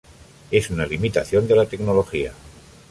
Es una limitación de la tecnología.